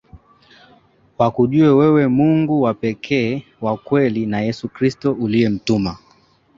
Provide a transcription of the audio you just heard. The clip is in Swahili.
wakujue wewe Mungu wa pekee wa kweli na Yesu Kristo uliyemtuma